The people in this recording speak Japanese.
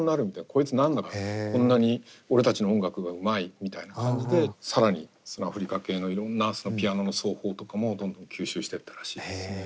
こいつ何だこんなに俺たちの音楽がうまいみたいな感じで更にアフリカ系のいろんなピアノの奏法とかもどんどん吸収してったらしいですね。